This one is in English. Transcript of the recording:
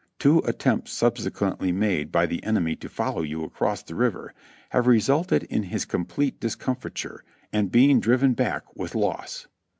Two attempts subsequently made by the enemy to follow you across the river have resulted in his complete discomfiture and being driven back with loss.